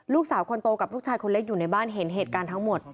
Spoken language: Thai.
ลูกสาวคนโตกับลูกชายคนเล็กอยู่ในบ้านเห็นเหตุการณ์ทั้งหมด